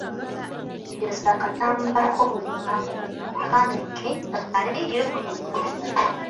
Yoza akatambaala ko buli lunaku, kaanike kakale era okagolole.